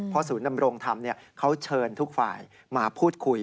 เพราะศูนย์นำโรงทำเขาเชิญทุกฝ่ายมาพูดคุย